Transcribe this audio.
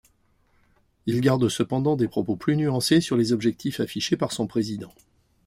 Il garde cependant des propos plus nuancés sur les objectifs affichés par son président.